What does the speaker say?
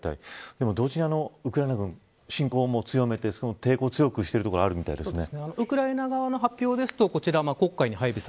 でも同時に、ウクライナ軍抵抗を強くしているところあるみたいですね。